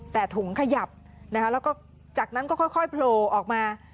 แต่ถุงขยับจากนั้นก็ค่อยโผล่ออกมา